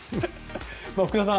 福田さん